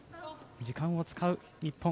時間を使う、日本。